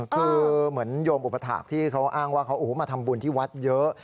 คือเหมือนโยมอุปถาคที่เขาอ้างว่าเขามาทำบุญที่วัดเยอะ